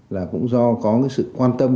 là cũng do có sự quan tâm